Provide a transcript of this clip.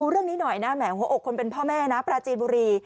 เรื่องนี้หน่อยนะแหมหัวอกคนเป็นพ่อแม่นะปราจีนบุรี